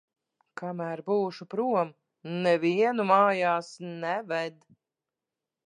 Kamēr būšu prom, nevienu mājās neved.